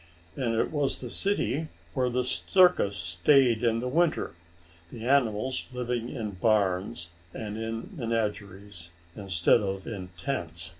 And it was the city where the circus stayed in winter, the animals living in barns, and in menageries, instead of in tents.